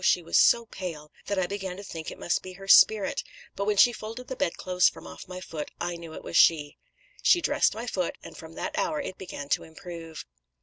she was so pale that I began to think it must be her spirit but when she folded the bedclothes from off my foot, I knew it was she. She dressed my foot, and from that hour it began to improve.'